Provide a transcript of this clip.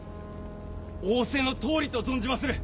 仰せのとおりと存じまする！